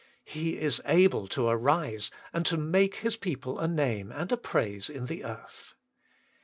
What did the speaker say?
He is able to arise and to make His people a name, and a praise in the earth.